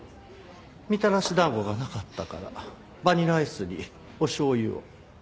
みたらし団子がなかったからバニラアイスにお醤油を。